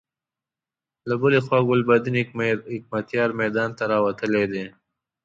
له بلې خوا ګلبدين حکمتیار میدان ته راوتلی دی.